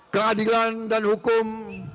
keadilan dan hukum